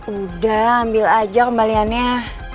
udah ambil aja kembaliannya